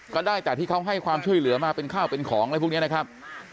ก็ได้แต่ที่เขาให้ความช่วยเหลือมาเป็นข้าวเป็นของอะไรพวกนี้นะครับ